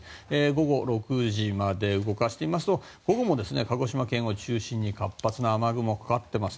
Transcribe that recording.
午後６時まで動かしてみますと午後も、鹿児島県を中心に活発な雨雲がかかっています。